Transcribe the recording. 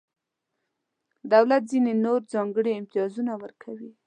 دولت ځینې نور ځانګړي امتیازونه ورکوي.